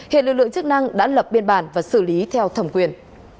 hiện lực lượng chức năng đã lập biên bản và xử lý theo thẩm quyền